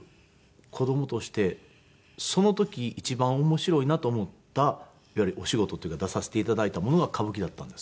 子供としてその時一番面白いなと思ったいわゆるお仕事というか出させて頂いたものが歌舞伎だったんです。